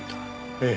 ええ。